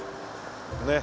ねえ。